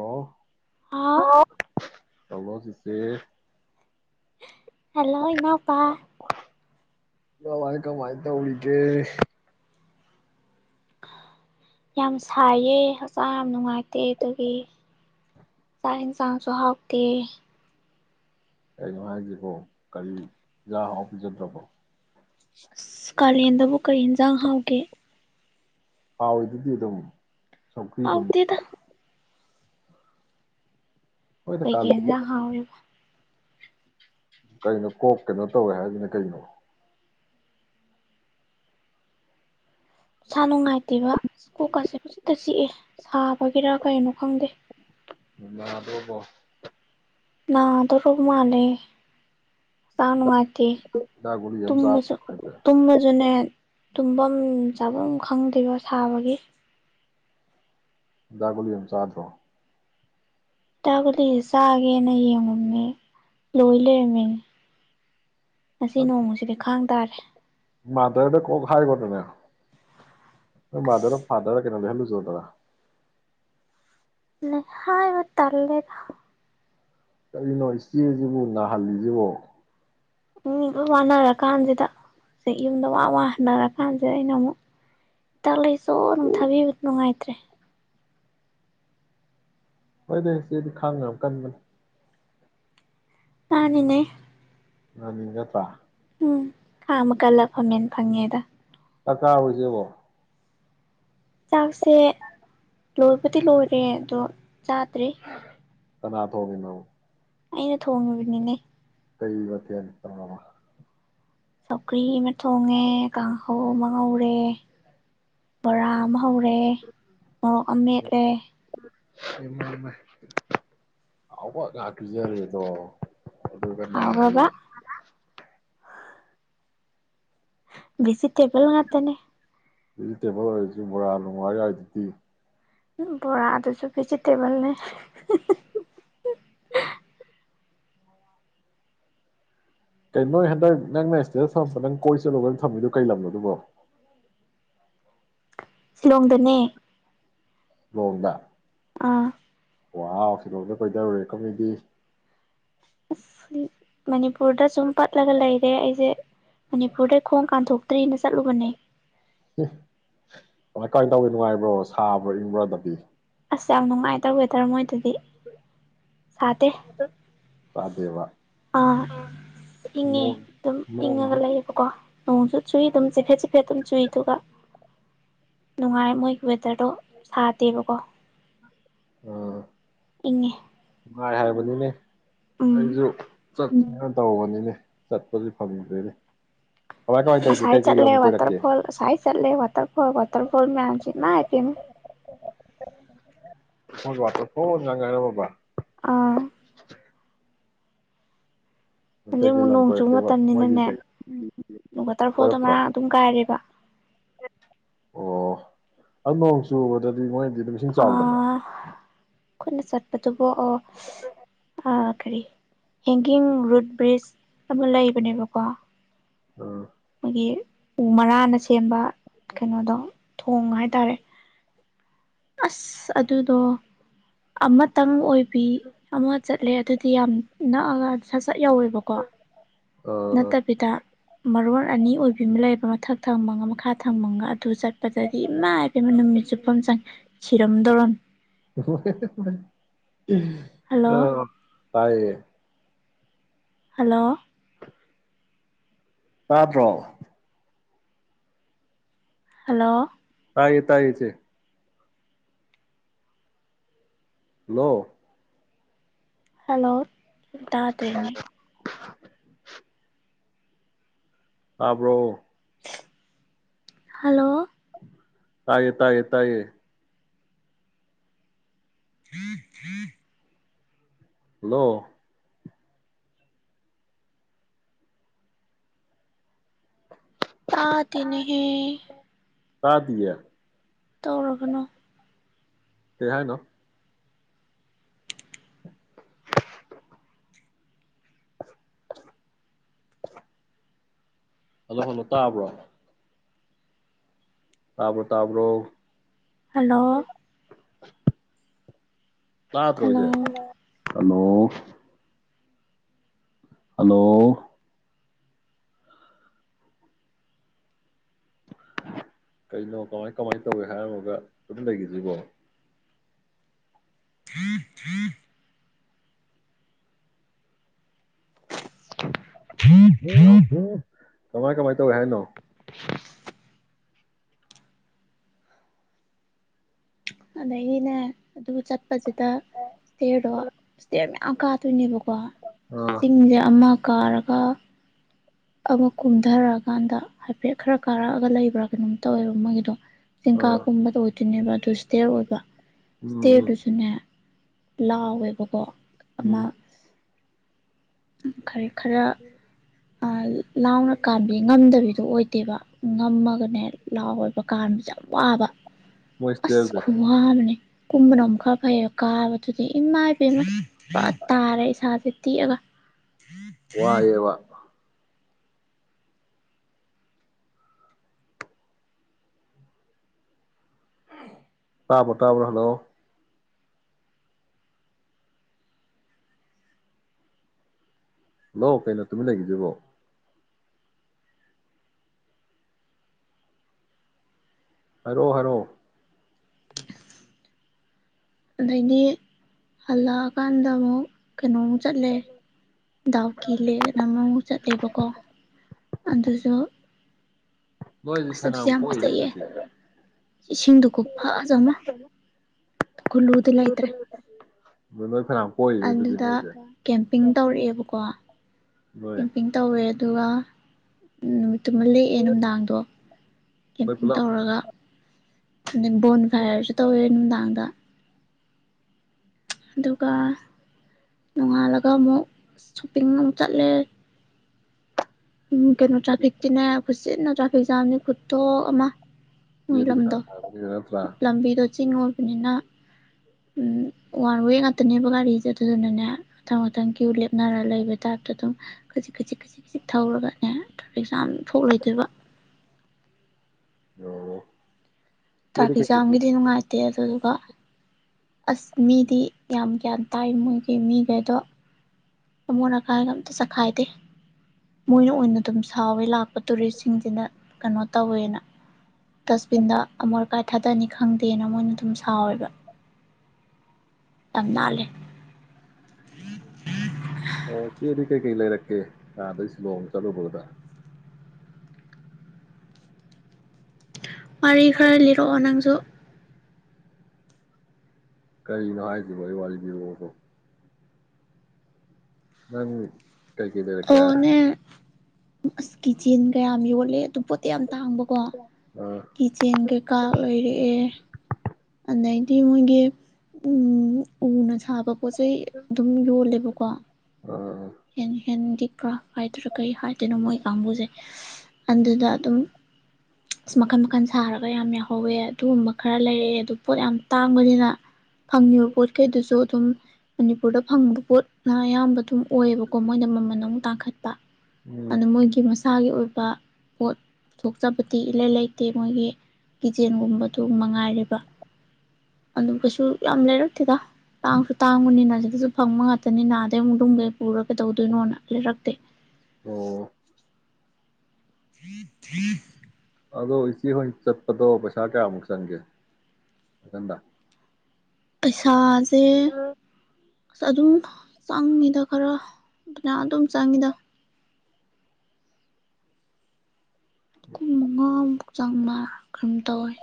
ꯑꯣ ꯍꯥ ꯇꯥꯃꯣ ꯆꯤꯆꯦ ꯍꯜꯂꯣ ꯏꯃꯄꯥ ꯀꯃꯥꯏ ꯀꯃꯥꯏ ꯇꯧꯔꯤꯒꯦ ꯌꯥꯝ ꯁꯥꯏꯌꯦ ꯍꯛꯆꯥꯡ ꯌꯥꯝ ꯅꯨꯡꯉꯥꯏꯇꯦ ꯑꯗꯨꯒꯤ ꯆꯥꯛ ꯌꯦꯟꯁꯥꯡꯁꯨ ꯍꯥꯎꯇꯦ ꯀꯩꯅꯣ ꯍꯥꯏꯖꯤꯕꯣ ꯍꯦꯖꯥꯡ ꯑꯍꯥꯎꯕ ꯄꯤꯖꯗꯔ꯭ꯕꯣ ꯑꯁ ꯀꯥꯂꯦꯟꯗꯕꯨ ꯀꯔꯤ ꯌꯦꯟꯁꯥꯡ ꯍꯥꯎꯒꯦ ꯍꯥꯎꯔꯤꯗꯨꯗ ꯑꯗꯨꯝ ꯁꯧꯒ꯭ꯔꯤꯒꯨꯝꯕ ꯍꯥꯎꯇꯦꯗ ꯍꯣꯏꯗ ꯀꯩ ꯀꯩ ꯀꯥꯂꯦꯟ ꯍꯦꯟꯖꯥꯡ ꯍꯥꯎꯔꯤꯕ ꯀꯩꯅꯣ ꯀꯣꯛ ꯀꯩꯅꯣ ꯇꯧꯋꯦ ꯍꯥꯏꯗꯨꯅ ꯀꯩꯅꯣ ꯏꯁꯥ ꯅꯨꯡꯉꯥꯏ ꯇꯦꯕ ꯀꯣꯛꯀꯥꯁꯦ ꯆꯤꯠꯇ ꯆꯤꯛꯑꯦ ꯁꯥꯕꯒꯤꯔꯥ ꯀꯩꯅꯣ ꯈꯪꯗꯦ ꯅꯥꯗꯣꯔꯕꯣ ꯅꯗꯣꯔꯕꯃꯥꯜꯂꯦ ꯍꯛꯆꯥꯡ ꯍꯤꯗꯥꯛ ꯅꯨꯉꯥꯏ ꯇꯦ ꯍꯤꯗꯥꯛ ꯒꯨꯂꯤ ꯑꯃ ꯆꯥ ꯇꯨꯝꯕꯁꯨ ꯇꯨꯝꯕꯁꯨꯅꯦ ꯇꯨꯝꯐꯝ ꯆꯥꯐꯝ ꯈꯪꯗ꯭ꯔꯤꯕꯣ ꯁꯥꯕꯒꯤ ꯍꯤꯗꯥꯛ ꯒꯨꯂꯤ ꯑꯝ ꯆꯥꯗꯔꯣ ꯇꯒꯗꯤ ꯆꯥꯒꯦꯅ ꯌꯦꯡꯉꯨꯃꯅꯦ ꯂꯣꯏ ꯂꯩꯔꯝꯃꯤꯅꯦ ꯉꯁꯤ ꯅꯣꯡꯃꯁꯤꯗꯤ ꯈꯥꯡ ꯇꯥꯔꯦ ꯃꯥꯙꯔꯗ ꯀꯣꯛ ꯍꯥꯏꯒꯣꯗꯅ ꯅꯣꯏ ꯃꯥꯗꯔ ꯐꯥꯗꯔ ꯀꯩꯅꯣ ꯂꯩꯍꯟ ꯂꯨꯆꯣꯗꯅ ꯍꯥꯏꯕ ꯇꯜꯂꯦꯗ ꯀꯔꯤꯅꯣ ꯏꯆꯦꯁꯤꯕꯨ ꯅꯥꯍꯜꯂꯤꯁꯤꯕꯣ ꯃꯤ ꯂꯣꯏ ꯋꯥꯅꯔ ꯀꯥꯟꯁꯤꯗ ꯌꯨꯝꯗ ꯋꯥꯅ ꯍꯟꯅꯔ ꯀꯥꯟꯁꯤꯗ ꯑꯩꯅ ꯑꯃꯨꯛ ꯍꯤꯗꯥꯛ ꯂꯩꯆꯣꯅ ꯑꯃꯨꯛ ꯊꯥꯕꯤꯕ ꯅꯨꯡꯉꯥꯏꯇ ꯇ꯭ꯔꯦ ꯍꯣꯏꯗ ꯏꯆꯦꯗꯤ ꯈꯥꯡꯕ ꯌꯥꯝ ꯀꯟꯕꯅꯤ ꯃꯥꯅꯤꯅꯦ ꯃꯥꯅꯤ ꯅꯠꯇ꯭ꯔ ꯎꯝ ꯈꯥꯡꯕ ꯀꯜꯂ ꯐꯝꯃꯦꯟ ꯐꯪꯉꯦꯗꯣ ꯆꯥꯛ ꯆꯦꯔꯕꯣ ꯏꯆꯦꯕꯣ ꯆꯥꯛꯁꯦ ꯂꯣꯏꯕꯨꯗꯤ ꯂꯣꯏꯔꯦ ꯑꯗꯣ ꯆꯥꯗ꯭ꯔꯤ ꯀꯅꯥ ꯊꯣꯡꯉꯤꯅꯣ ꯑꯩꯅ ꯊꯣꯡꯉꯤꯕꯅꯤꯅꯦ ꯀꯩ ꯃꯊꯦꯜ ꯇꯧꯔꯕ ꯁꯧꯒꯔꯑꯃ ꯊꯣꯡꯉꯦ ꯀꯥꯡꯍꯧ ꯑꯃ ꯉꯧꯔꯦ ꯕꯣꯔꯥ ꯑꯃ ꯍꯧꯔꯦ ꯃꯣꯔꯣꯛ ꯃꯦꯠꯂꯦ ꯏꯃꯩ ꯃꯩ ꯑꯍꯥꯎꯕ ꯉꯥ ꯄꯤꯖꯔꯦꯗꯣ꯫ ꯑꯗꯨ ꯀꯅꯥꯒꯤ ꯍꯥꯎꯈ꯭ꯔꯕ ꯚꯤꯖꯤꯇꯦꯕꯜ ꯉꯛꯇꯅꯦ ꯚꯦꯖꯤꯇꯦꯕꯜ ꯑꯣꯏꯔꯁꯨ ꯕꯣꯔꯥ ꯅꯨꯡꯂ ꯌꯥꯎꯔꯤꯗꯨꯗꯤ ꯕꯣꯔꯥ ꯑꯗꯨꯁꯨ ꯚꯦꯖꯤꯇꯦꯕꯜꯅꯦ ꯀꯩ ꯅꯣꯏ ꯍꯟꯗꯛ ꯅꯪꯅ ꯏꯁꯇꯦꯇꯁ ꯊꯝꯕ ꯅꯪ ꯀꯣꯏ ꯆꯠꯂꯨꯒ ꯊꯝꯃꯤꯗꯨꯣ ꯀꯩ ꯂꯝꯅꯣ ꯑꯗꯨꯕꯣ ꯁꯤꯂꯣꯡꯗꯅꯦ ꯁꯤꯂꯣꯡꯗ ꯑꯥ ꯋꯥꯥꯎ ꯁꯤꯂꯣꯡꯗꯒ ꯀꯣꯏꯗꯔꯨꯔꯦꯀꯣ ꯃꯤꯗꯤ ꯃꯅꯤꯄꯨꯔꯗ ꯁꯨꯝ ꯄꯠꯂꯒ ꯂꯩꯔꯦ ꯑꯩꯁꯦ ꯃꯅꯤꯄꯨꯔꯗꯩ ꯈꯣꯡ ꯀꯥꯟꯊꯣꯛꯇ꯭ꯔꯤꯅ ꯆꯠꯂꯨꯕꯅꯦ ꯀꯃꯥꯏ ꯀꯃꯥꯏꯅ ꯇꯧꯋꯤ ꯅꯨꯡꯉꯥꯏꯕ꯭ꯔꯣ ꯁꯥꯕ꯭ꯔꯥ ꯏꯪꯕ꯭ꯣꯔ ꯑꯗꯕꯤ ꯑꯁ ꯌꯥꯝ ꯅꯨꯡꯉꯥꯏꯗ ꯋꯦꯗꯔ ꯃꯣꯏꯗꯨꯗꯤ ꯁꯥꯗꯦ ꯁꯗꯦꯕ ꯑꯥ ꯏꯪꯉꯦ ꯑꯗꯨꯝ ꯏꯪꯉꯒ ꯅꯣꯡꯗꯤ ꯂꯩꯌꯦꯕꯀꯣ ꯅꯣꯡꯁꯨ ꯆꯨꯏ ꯑꯗꯨꯝ ꯆꯤꯐꯦꯠ ꯆꯤꯐꯦꯠ ꯑꯗꯨꯝ ꯆꯨꯏ ꯑꯗꯨꯒ ꯅꯨꯡꯉꯥꯏ ꯃꯣꯏꯒꯤ ꯋꯦꯗꯔꯗꯣ ꯁꯥꯗꯦꯕꯀꯣ ꯎꯝ ꯏꯪꯉꯦ ꯅꯨꯡꯥꯏ ꯅꯨꯡꯉꯥꯏ ꯍꯥꯏꯕꯅꯤꯅꯦ ꯎꯝ ꯑꯩꯁꯨ ꯆꯠꯁꯤꯅ ꯇꯧꯕꯅꯤꯅꯦ ꯆꯠꯄꯗꯤ ꯐꯪꯗ꯭ꯔꯦꯅꯦ ꯀꯃꯥꯏ ꯀꯃꯥꯏ ꯇꯧꯒꯦ ꯑꯁꯥꯏ ꯀꯩꯀꯩ ꯂꯝ ꯆꯠꯂꯦ ꯀꯣꯏꯔꯛꯀꯦ ꯋꯥꯇꯔꯐꯣꯜ ꯑꯁꯥꯏ ꯆꯠꯂꯦ ꯋꯥꯇꯔꯐꯣꯜ ꯋꯥꯇꯔꯐꯣꯜ ꯃꯌꯥꯝꯁꯤ ꯏꯃꯥꯏ ꯄꯦꯝꯃ ꯋꯥꯇꯔ ꯐꯣꯜꯒꯤ ꯋꯥꯇꯔ ꯐꯣꯜ ꯉꯛ ꯉꯥꯏꯍꯧꯔꯕ ꯑꯥ ꯍꯧꯖꯤꯛ ꯀꯩꯀꯩ ꯑꯃꯨꯛ ꯂꯝ ꯅꯣꯡ ꯆꯨꯕ ꯀꯣꯏꯔꯛꯀꯦꯕ ꯃꯣꯏꯒꯤ ꯃꯇꯝꯅꯤꯅꯅꯦ ꯀꯩ ꯋꯥꯇꯔꯐꯣꯜꯗ ꯀꯣꯏꯔꯛꯇ꯭ꯔꯣ ꯃꯔꯥꯡ ꯑꯗꯨꯝ ꯀꯥꯏꯔꯦꯕ ꯑꯣ ꯑꯗꯨ ꯅꯣꯡ ꯆꯨꯕꯗꯗꯤ ꯃꯣꯏ ꯑꯗꯨꯝ ꯏꯁꯤꯡ ꯆꯥꯎꯗꯕ꯭ꯔꯥ ꯑꯩꯈꯣꯏꯅ ꯆꯠꯄꯗꯨꯕꯨ ꯑꯣ ꯑ ꯀꯔꯤ ꯍꯦꯡꯒꯤꯡ ꯔꯨꯠ ꯕ꯭ꯔꯤꯖ ꯑꯃ ꯂꯩꯕꯅꯦꯕꯀꯣ ꯎꯝ ꯒꯤ ꯎ ꯃꯔꯥꯅ ꯁꯦꯝꯕ ꯀꯩꯅꯣꯗꯣ ꯊꯣꯡ ꯍꯥꯏꯇꯥꯔꯦ ꯑꯁ ꯑꯗꯨꯗꯣ ꯑꯃꯇꯪ ꯑꯣꯏꯕ ꯕꯤ ꯑꯃ ꯆꯠꯂꯦ ꯑꯗꯨꯗꯤ ꯌꯥꯝ ꯅꯛꯑꯒ ꯆꯠ ꯌꯥꯎꯋꯦꯕꯀꯣ ꯑꯥ ꯑꯥ ꯅꯠꯇꯕꯤꯗ ꯃꯔꯣꯟ ꯑꯅꯤ ꯑꯣꯏꯕꯤ ꯑꯃ ꯂꯩꯌꯦꯕ ꯃꯊꯛ ꯊꯪꯕꯒ ꯃꯈꯥ ꯊꯡꯕꯃꯒ ꯑꯗꯨ ꯆꯠꯄꯗꯗꯤ ꯏꯃꯥꯏ ꯄꯦꯝꯃ ꯅꯨꯃꯤꯠ ꯆꯨꯞꯄꯃ ꯆꯪꯉꯦ ꯁꯤꯔꯝꯗꯧꯔꯝꯃꯤ ꯍꯍꯍꯍ ꯍꯜꯂꯣ ꯑ ꯇꯥꯏ ꯑꯦ ꯍꯂꯣ ꯇꯥꯗꯔꯣ ꯍꯜꯂꯣ! ꯇꯥꯏꯌꯦ - ꯇꯥꯏꯌꯦ ꯏꯆꯦ꯫ ꯍꯥꯂꯣ! ꯍꯜꯂꯣ! ꯇꯥꯗꯔ꯭ꯦꯅꯦ꯫ ꯇꯕꯔꯣ? ꯍꯜꯂꯣ! ꯇꯥꯏꯌꯦ -ꯇꯥꯏꯌꯦ -꯫ [inaudible] ꯍꯂꯣ! ꯇꯥꯗꯦꯅꯦꯍꯦ! ꯇꯥꯗꯤꯌꯦ? ꯇꯧꯔꯒꯅꯨ꯫ ꯀꯩ ꯍꯥꯏꯅꯣ? [inaudible] ꯍꯜꯂꯣ - ꯍꯜꯂꯣ ꯇꯥꯕ꯭ꯔꯣ? ꯇꯥ ꯕꯔꯣ - ꯇ꯭ꯕꯔꯣ? ꯍꯜꯂꯣ! ꯍꯜꯂꯣ ꯇꯥꯗꯔꯣꯖꯦ? ꯍꯜꯂꯣ! ꯍꯜꯂꯣ! ꯀꯩꯅꯣ ꯀꯃꯥꯏ - ꯀꯃꯥꯏꯅ ꯇꯧꯍꯦ ꯍꯥꯏꯔꯝꯃꯒ ꯇꯨꯃꯤꯟ ꯂꯩꯈꯤꯁꯤꯕꯣ? [inaudible] [inaudible] [inaudible] ꯀꯃꯥꯏ- ꯀꯃꯥꯏ ꯇꯧꯏ ꯍꯥꯏꯅꯣ? [inaudible] ꯑꯗꯩꯗꯤꯅꯦ ꯑꯗꯨꯒ ꯆꯠꯄꯁꯤꯗ ꯏꯁꯇꯦꯌꯔꯗꯣ ꯏꯁꯇꯌꯔ ꯃꯌꯥ ꯑꯥ ꯀꯗꯣꯏꯅꯦꯕꯥ ꯑꯥ ꯆꯤꯡꯁꯦ ꯑꯃ ꯀꯥꯔꯛ [unintelligible] ꯑꯃꯨꯛ ꯀꯨꯝꯊꯔꯛꯑꯀꯥꯟꯗ ꯍꯥꯏꯐꯦꯠ ꯈꯔ ꯀꯥꯔꯛꯑꯒ ꯂꯩꯕ꯭ꯔꯥ ꯀꯩꯅꯣꯝ ꯇꯧꯋꯦꯕ ꯃꯣꯏꯒꯤꯗꯣ꯫ [unintelligible] ꯑꯥ ꯀꯨꯝꯕꯗꯥ ꯑꯣꯏꯗꯣꯏꯅꯦꯕꯥ꯫ [unintelligible] ꯑꯣꯏꯕ ꯎꯝ ꯎꯝ ꯁꯇꯦꯔꯗꯨꯁꯨꯅꯦ ꯂꯥꯎꯋꯦꯕꯀꯣ꯫ ꯑꯃ ꯎꯝ [unintelligible] ꯈꯔ ꯂꯥꯎꯅ ꯀꯥꯟꯕꯤ ꯉꯝꯗꯕꯤꯗꯣ ꯑꯣꯏꯗꯦꯕ꯫ ꯉꯝꯃꯒꯅꯦ ꯂꯥꯎꯕ ꯀꯥꯟꯕꯁꯦ ꯌꯥꯝ ꯋꯥꯕ ꯃꯣꯏ ꯑꯁ ꯁ꯭ꯇꯦꯌꯔꯖꯦ ꯈꯋꯥ ꯃꯅꯦ ꯀꯨꯝꯕꯅ ꯑꯃꯨꯛ ꯈꯔ ꯐꯩꯌꯦ ꯀꯥꯕꯗꯨꯗꯤ ꯏꯃꯥꯏ ꯄꯦꯝꯃ ꯋꯥ ꯇꯥꯔꯦ ꯏꯁꯒ ꯊꯦꯛꯑꯒ ꯋꯥ ꯑꯦꯕ ꯇꯥꯕ꯭ꯔꯣ ꯇꯥꯕ꯭ꯔꯣ ꯍꯜꯂꯣ ꯍꯜꯂꯣ ꯀꯩꯅꯣ ꯇꯨꯃꯤꯟ ꯂꯩꯈ꯭ꯔꯤꯁꯤꯕꯣ ꯍꯥꯏꯔꯣ ꯍꯥꯏꯔꯣ ꯑꯗꯒꯤ ꯍꯜꯂꯛꯑꯀꯥꯟꯗ ꯑꯃꯨꯛ ꯀꯩꯅꯣꯃꯨꯛ ꯆꯠꯂꯦ ꯗꯥꯎ ꯀꯤꯂꯦ ꯀꯅꯥ ꯑꯃꯃꯨꯛ ꯆꯠꯂꯦꯕꯀꯣ ꯑꯗꯨꯁꯨ ꯅꯣꯏꯗꯤ ꯑꯁ ꯑꯗꯨꯁꯨ ꯐꯅꯥꯝ ꯌꯥꯝ ꯀꯣꯏꯅꯦ ꯐꯖꯩꯌꯦ ꯑꯗꯨꯗꯤ ꯏꯁꯤꯡꯗꯨ ꯈꯨꯐꯖꯃꯥ ꯀꯨꯂꯨꯗꯤ ꯂꯩꯇ꯭ꯔꯦ ꯂꯣꯏꯃꯛ ꯑꯗꯨꯗ ꯀꯦꯝꯄꯤꯡ ꯇꯧꯔꯛꯑꯦꯕꯀꯣ ꯅꯣꯏ ꯀꯦꯝꯄꯤꯡ ꯇꯧꯔꯦ ꯑꯗꯨꯒ ꯅꯨꯃꯤꯠꯇꯨꯃ ꯂꯦꯛꯑꯦ ꯅꯨꯡꯗꯥꯡꯗꯣ ꯅꯣꯏ ꯀꯦꯝꯄꯤꯡ ꯄꯨꯂꯞ ꯇꯧꯔꯒ ꯕꯣꯟ ꯐ꯭ꯔꯥꯏꯔꯁꯨ ꯇꯧꯋꯦ ꯇꯥꯡꯗ ꯑꯗꯨꯒ ꯅꯣꯡꯉꯥꯜꯂꯒ ꯑꯃꯨꯛ ꯁꯣꯞꯄꯤꯡ ꯑꯃꯨꯛ ꯆꯠꯂꯦ ꯎꯝ ꯀꯩꯅꯣ ꯇ꯭ꯔꯥꯐꯤꯛꯀꯤꯅꯦ ꯈꯨꯨꯆꯤꯟ ꯑꯝ ꯆꯥ ꯖꯥꯝꯅ ꯈꯨꯇꯣꯛ ꯑꯃ ꯃꯣꯏ ꯌꯦꯠꯇ꯭ꯔ ꯂꯝꯗꯣ ꯂꯝꯕꯤꯗꯣ ꯆꯤꯡ ꯑꯣꯏꯕꯅꯤꯅ ꯋꯥꯟ ꯋꯦ ꯉꯥꯛꯇꯅꯦꯕ ꯒꯥꯔꯤꯁꯦ ꯑꯗꯨꯗꯨꯅꯅꯦ ꯈꯤꯇꯪ ꯀ꯭ꯌꯨ ꯂꯦꯞꯅꯔ ꯂꯩꯕ ꯇꯥꯏꯞꯇ ꯑꯗꯨꯝ ꯈꯖꯤꯛ ꯈꯖꯤꯛ ꯈꯖꯤ ꯈꯖꯤ ꯊꯧꯔꯒꯅꯦ ꯇ꯭ꯔꯥꯐꯤꯛ ꯖꯥꯝ ꯊꯣꯛ ꯂꯩꯗꯣꯏꯕ ꯑꯣ ꯆꯦꯗꯤ ꯇ꯭ꯔꯥꯐꯤꯛ ꯀꯩꯀꯩ ꯖꯥꯝꯒꯤꯗꯤ ꯅꯨꯡꯉꯥꯏꯇꯦ ꯑꯗꯨꯗꯨꯒ ꯑꯁ ꯃꯤꯗꯤ ꯌꯥꯝ ꯒ꯭ꯌꯥꯟ ꯇꯥꯏ ꯃꯣꯏꯒꯤ ꯃꯤꯈꯩꯗꯣ ꯑꯃꯣꯠ ꯑꯀꯥꯏꯒ ꯑꯝꯇ ꯆꯈꯥꯏꯗꯦ ꯃꯣꯏꯅ ꯑꯣꯏꯅ ꯑꯗꯨꯝ ꯁꯥꯎꯋꯦ ꯂꯥꯛꯄ ꯇꯨꯔꯤꯁꯁꯤꯡꯁꯤꯅ ꯀꯩꯅꯣ ꯇꯧꯋꯦꯅ ꯗꯁꯕꯤꯟꯗ ꯑꯃꯣꯠ ꯑꯀꯥꯏ ꯊꯗꯅꯤ ꯈꯪꯗꯦꯅ ꯃꯣꯏꯅ ꯑꯗꯨꯝ ꯁꯥꯎꯋꯦꯕ ꯌꯥꯝ ꯅꯥꯜꯂꯦ ꯑꯣ ꯆꯦꯜꯂꯤ ꯀꯩ ꯀꯩ ꯂꯩꯔꯛꯀꯦ ꯑꯥꯗꯩ ꯁꯤꯂꯣꯡ ꯆꯠꯂꯨꯕꯗ ꯑꯟꯑꯣꯗꯤꯕꯜ ꯋꯥꯔꯤ ꯈꯔ ꯂꯤꯔꯛꯑꯣ ꯅꯪꯁꯨ ꯀꯔꯤꯅꯣ ꯍꯥꯏꯁꯤꯕꯣ ꯑꯩ ꯋꯥꯔꯤ ꯂꯤꯔꯛꯑꯣꯕꯣ ꯅꯪ ꯀꯩꯀꯩ ꯂꯩꯔꯛꯀꯦ ꯑ ꯑꯣꯅꯦ ꯑꯁ ꯀꯆꯤꯟ ꯒꯌꯥꯝ ꯌꯣꯜꯂꯦ ꯑꯗꯨ ꯄꯣꯠꯇꯤ ꯌꯥꯝ ꯇꯥꯡꯕꯀꯣ ꯑꯥ ꯀꯤꯆꯦꯟ ꯀꯩꯀꯥ ꯂꯩꯔꯛꯑꯦ ꯑꯗꯩꯗꯤ ꯃꯣꯏꯒꯤ ꯎꯝ ꯎꯅ ꯁꯥꯕ ꯄꯣꯠ ꯆꯩꯩ ꯑꯗꯨꯝ ꯌꯣꯜꯂꯦꯕꯀꯣ ꯑꯥ ꯑꯦꯟꯍꯦꯟꯗꯤ ꯀꯥ ꯍꯥꯏꯗꯔꯥ ꯀꯩ ꯍꯥꯏꯗꯣꯏꯅꯣ ꯃꯣꯏ ꯀꯥꯡꯕꯨꯁꯦ ꯑꯗꯨꯗ ꯑꯗꯨꯝ ꯑꯁ ꯃꯈꯜ ꯃꯈꯜ ꯁꯥꯔꯒ ꯌꯥꯝ ꯌꯥꯍꯧꯋꯦ ꯑꯗꯨꯒꯨꯝꯕ ꯈꯔ ꯂꯩꯔꯛꯑꯦ ꯑꯗꯨ ꯄꯣꯠ ꯌꯥꯝ ꯇꯥꯡꯕꯅꯤꯅ ꯐꯪꯉꯤꯕ ꯄꯣꯠꯈꯩꯗꯨꯁꯨ ꯑꯗꯨꯝ ꯄꯨꯔꯗ ꯐꯪꯕ ꯄꯣꯠꯅ ꯑꯌꯥꯝꯕ ꯑꯗꯨꯝ ꯑꯣꯏꯌꯦꯕꯀꯣ ꯃꯣꯏꯅ ꯃꯃꯜ ꯑꯃꯨꯛ ꯇꯥꯡꯈꯠꯄ ꯎꯝ ꯑꯗꯨ ꯃꯣꯏꯒꯤ ꯃꯁ ꯃꯁꯥꯒꯤ ꯑꯣꯏꯕ ꯄꯣꯠ ꯊꯣꯛ ꯆꯄꯗꯤ ꯏꯂꯩ ꯂꯩꯇꯦ ꯃꯣꯏꯒꯤ ꯀꯤꯆꯦꯟꯒꯨꯝꯕꯗꯨ ꯃꯉꯥꯏꯔꯦꯕ ꯑꯗꯨ ꯀꯩꯁꯨ ꯌꯥꯝ ꯂꯩꯔꯛꯇꯦꯗ ꯇꯥꯡꯁꯨ ꯇꯥꯡꯕꯅꯤꯅ ꯁꯤꯗꯁꯨ ꯐꯪꯕ ꯉꯥꯛꯇꯅꯤꯅ ꯑꯗꯩ ꯑꯃꯨꯛ ꯂꯨꯨꯝꯒꯩ ꯄꯨꯔ ꯀꯩꯗꯧꯗꯣꯏꯅꯣꯅ ꯂꯩꯔꯛꯇꯦ ꯎꯝ ꯑꯟꯏꯟꯇꯦꯜꯂꯤꯖꯤꯕꯜ ꯑꯗꯣ ꯏꯆꯦ ꯍꯣꯏ ꯆꯠꯄꯗꯣ ꯄꯩꯁꯥ ꯀꯌꯥꯃꯨꯛ ꯆꯪꯒꯦ ꯊꯟꯗ ꯄꯩꯁꯥꯖꯦ ꯑꯁ ꯑꯗꯨꯝ ꯆꯪꯉꯤꯗ ꯈꯔ ꯑꯗꯨꯅ ꯑꯗꯨꯝ ꯆꯪꯉꯤꯗ ꯑꯩꯈꯣꯏ ꯃꯉꯥ ꯆꯥꯝꯃꯉꯥ ꯀꯨꯝ ꯇꯧꯋꯤ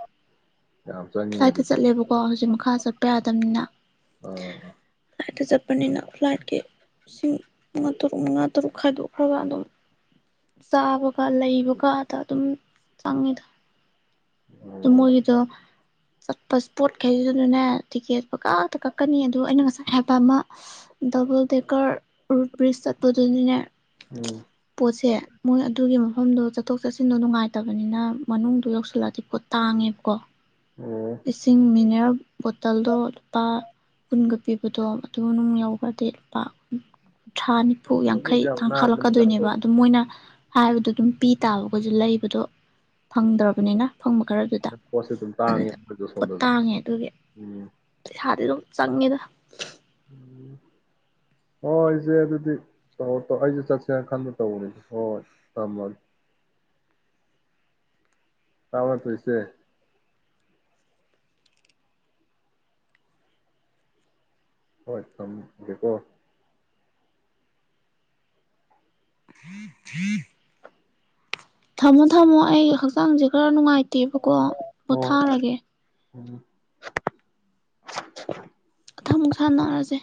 ꯌꯥꯝ ꯆꯪꯉꯤꯅꯦ ꯐ꯭ꯂꯥꯏꯠꯇ ꯑꯗꯨꯗꯤ ꯆꯠꯂꯦꯕꯀꯣ ꯍꯧꯖꯤꯛ ꯃꯈꯥ ꯆꯠꯄ ꯌꯥꯗꯝꯅꯤꯅ ꯑꯥ ꯐ꯭ꯂꯥꯏꯠꯇ ꯆꯠꯄꯅꯤꯅ ꯐ꯭ꯂꯥꯏꯠꯀꯤ ꯂꯤꯁꯤꯡ ꯃꯉꯥ ꯇꯔꯨꯛ ꯃꯉꯥ ꯇꯔꯨꯛ ꯈꯥꯏꯗꯣꯛꯈ꯭ꯔꯒ ꯑꯗꯨꯝ ꯆꯥꯕꯒ ꯂꯩꯕꯒꯗ ꯑꯗꯨꯝ ꯆꯪꯉꯤꯗ ꯑꯗꯨ ꯑꯣ ꯃꯣꯏꯒꯤꯗꯣ ꯆꯠꯄ ꯏꯁ ꯄꯣꯠꯈꯩꯁꯤꯁꯨꯗꯅꯦ ꯇꯤꯛꯀꯦꯠ ꯄꯀꯛꯇ ꯀꯛꯀꯅꯤ ꯑꯗꯨ ꯑꯩꯅ ꯉꯁꯥꯏ ꯍꯥꯏꯕ ꯑꯃ ꯗꯕꯜ ꯗꯦꯀꯔ ꯔꯨꯠ ꯕ꯭ꯔꯤꯖ ꯆꯠꯄꯗꯨꯗꯤꯅꯦ ꯎꯝ [unintelligible] ꯃꯣꯏ ꯑꯗꯨꯒꯤ ꯃꯐꯝꯗꯣ ꯆꯠꯊꯣꯛ ꯆꯠꯁꯤꯟꯗꯣ ꯅꯨꯡꯉꯥꯏꯇꯕꯅꯤꯅ ꯃꯅꯨꯡꯗꯗꯨꯣ ꯌꯧꯁꯤꯜꯂꯛꯑꯗꯤꯀꯣ ꯄꫭꯠ ꯇꯥꯡꯉꯦꯕꯀꯣ꯫ ꯑꯣ ꯏꯁꯤꯡ ꯃꯤꯅꯔꯦꯜ ꯕꯣꯇꯜꯗꯣ ꯂꯨꯄꯥ ꯀꯨꯟꯒ꯫ ꯄꯤꯕꯗꯣ ꯑꯗꯨ ꯅꯨꯡ ꯌꯧꯈ꯭ꯔꯗꯤ ꯂꯨꯄꯥ꯫ ꯊ꯭ꯔꯥ ꯅꯤꯐꯨ ꯌꯥꯡꯈꯩ ꯑꯗꯨꯕꯨꯗꯤ ꯌꯥꯝ ꯅꯥꯟꯕꯅꯤꯗ ꯇꯥꯡꯈꯠꯂꯛꯀꯗꯣꯏꯅꯦꯕ ꯑꯗꯨꯝ ꯃꯣꯏꯅ꯫ ꯍꯥꯏꯕ ꯗꯨ ꯑꯗꯨꯝ ꯄꯤ ꯇꯥꯕ꯫ ꯑꯈꯣꯏꯖꯨ ꯂꯩꯕꯗꯣ꯫ ꯐꯪꯗ꯭ꯔꯕꯅꯤꯅ꯫ ꯑꯐꯪꯕ ꯈꯔꯗꯨꯗ ꯄꯣꯠꯁꯦ ꯑꯗꯨꯝ ꯇꯥꯡꯉꯦ ꯑꯗꯨꯗ ꯃꯣꯏꯗꯣ ꯄꯣꯠ ꯁꯣꯝꯗꯁꯨ ꯇꯥꯡꯉꯦ ꯑꯗꯨꯒꯤ ꯎꯝ ꯄꯩꯁꯥꯗꯤ ꯑꯗꯨꯝ ꯆꯪꯉꯦꯗ꯫ ꯎꯝ ꯍꯣꯏꯁꯦ ꯑꯗꯨꯗꯤ ꯇꯧꯔ ꯇ ꯑꯩꯁꯦ ꯆꯠꯁꯦꯅ ꯈꯟꯕ ꯇꯧꯕꯅꯤ ꯍꯣꯏ ꯊꯝꯃꯒꯦ꯫ ꯇꯥꯕ꯭ꯔꯥ ꯇꯨꯏꯁꯗꯦ꯫ ꯍꯣꯏ ꯊꯝꯒꯦꯀꯣ꯫ ꯊꯝꯃꯣ ꯊꯝꯃꯣ ꯑꯩ ꯍꯛꯆꯥꯡꯁꯦ ꯈꯔ ꯅꯨꯡꯉꯥꯏ꯫ ꯇꯦꯕꯀꯣ ꯍꯣꯏ ꯄꯣꯊꯥꯔꯒꯦ꯫ ꯎꯝ꯫ ꯃꯊꯪꯃꯨꯛ ꯁꯥꯟꯅꯔꯖꯦ꯫